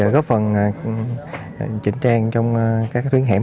góp phần chỉnh trang trong các tuyến hẻm